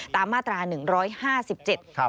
ตามมาตรา๑๕๗